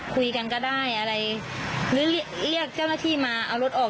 คุยกันก็ได้อะไรหรือเรียกเจ้าหน้าที่มาเอารถออก